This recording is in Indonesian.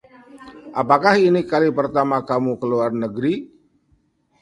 Apakah ini kali pertama kamu ke luar negeri?